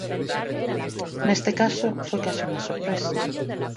Neste caso, foi case unha sorpresa.